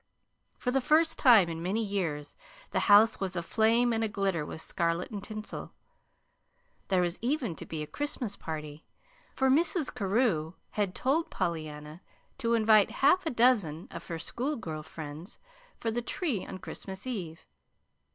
For the first time in many years the house was aflame and aglitter with scarlet and tinsel. There was even to be a Christmas party, for Mrs. Carew had told Pollyanna to invite half a dozen of her schoolgirl friends for the tree on Christmas Eve.